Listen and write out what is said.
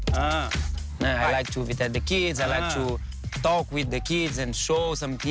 ฉันชอบกับคนเด็กชอบพูดกับคนเด็ก